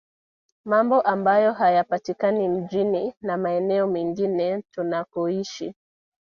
Mambo ambayo hayapatikani mjini na maeneo mengine tunakoishi